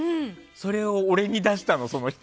それを俺に出したの、その人。